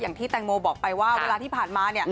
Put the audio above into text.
อย่างที่แตงโมบอกไปว่าเวลาที่ผ่านมา